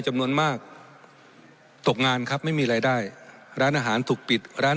จำนวนมากตกงานครับไม่มีรายได้ร้านอาหารถูกปิดร้าน